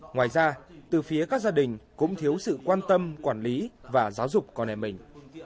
ngoài ra từ phía các gia đình cũng thiếu sự quan tâm quản lý và giáo dục con em mình